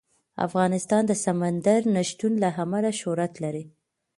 افغانستان د سمندر نه شتون له امله شهرت لري.